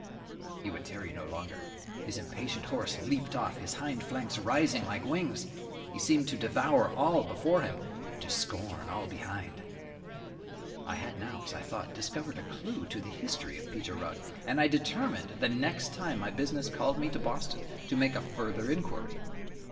He would tarry no longer. His impatient horse leaped off, his hind flanks rising like wings he seemed to devour all before him and to scorn all behind. I had now, as I thought, discovered a clue to the history of Peter Rugg, and I determined, the next time my business called me to Boston, to make a further inquiry.